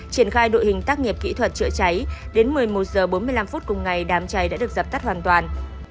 triển khai đội hình tác nghiệp kỹ thuật chữa cháy đến một mươi một h bốn mươi năm phút cùng ngày đám cháy đã được dập tắt hoàn toàn